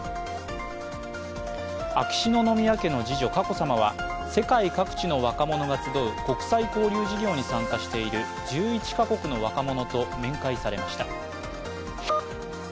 秋篠宮家の次女・佳子さまは世界各地の若者が集う国際交流事業に参加している１１か国の若者と面会されました。